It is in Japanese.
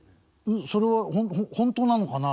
それは本当なのかな